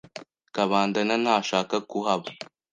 Kabandana ntashaka kuhaba.